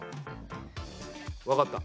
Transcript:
わかった。